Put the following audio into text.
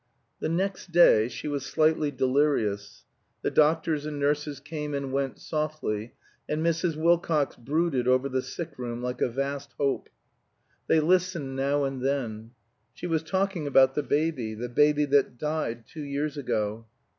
The next day she was slightly delirious. The doctors and nurses came and went softly, and Mrs. Wilcox brooded over the sick room like a vast hope. They listened now and then. She was talking about the baby, the baby that died two years ago.